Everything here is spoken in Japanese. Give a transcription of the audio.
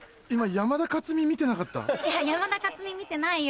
山田勝己見てないよ。